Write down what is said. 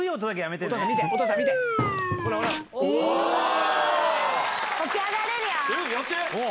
お！